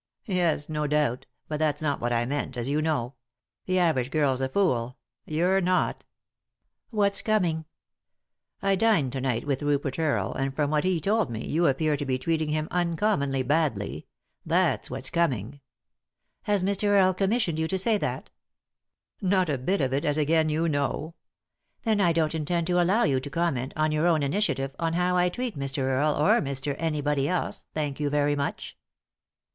"Yes; no doubt; but that's not what I meant, as you know. The average girl's a fool ; you're not." " What's coming ?"" I dined to night with Rupert Earle, and from what he told me you appear to be treating him uncommonly badly ; that's what's coming." " Has Mr. Earle commissioned you to say that ?" 1 80 3i 9 iii^d by Google THE INTERRUPTED KISS " Not a bit of it, as again you know." " Then I don't intend to allow you to comment, on your own initiative, on how I treat Mr. Earle, or Mr. Anybody else ; thank you very much."